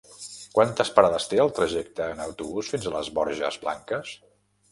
Quantes parades té el trajecte en autobús fins a les Borges Blanques?